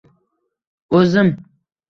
“O’zim?”